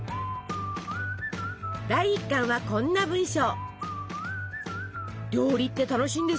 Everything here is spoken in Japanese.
第１巻はこんな文章。